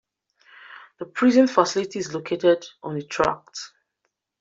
The prison facility is located on an tract.